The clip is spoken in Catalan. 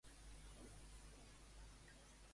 Qui va ser Melanip?